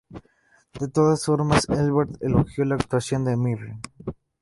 De todas formas, Ebert elogió la actuación de Mirren.